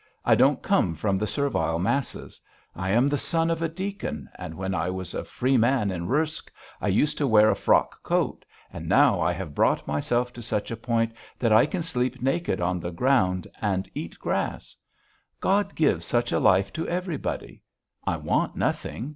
I don't come from the servile masses. I am the son of a deacon, and when I was a free man at Rursk, I used to wear a frock coat, and now I have brought myself to such a point that I can sleep naked on the ground and eat grass. God give such a life to everybody. I want nothing.